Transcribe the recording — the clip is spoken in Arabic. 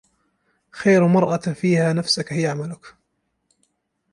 خير مرآة ترى فيها نفسك هي عملك.